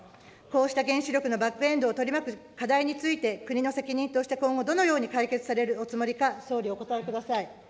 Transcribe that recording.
こうした原子力のバックエンドを取り巻く課題について、国の責任として今後、どのように解決されるおつもりか、総理、お答えください。